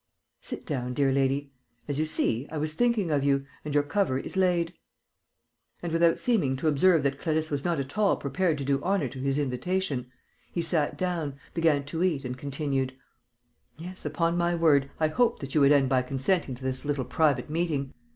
"Sit down, dear lady. As you see, I was thinking of you and your cover is laid." And, without seeming to observe that Clarisse was not at all prepared to do honour to his invitation, he sat down, began to eat and continued: "Yes, upon my word, I hoped that you would end by consenting to this little private meeting.